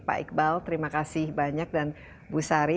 pak iqbal terima kasih banyak dan bu sari